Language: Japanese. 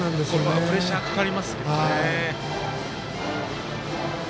プレッシャーかかりますね。